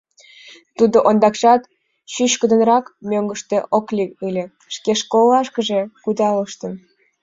Тудо ондакшат чӱчкыдынак мӧҥгыштӧ ок лий ыле, шке школлашкыже кудалыштын.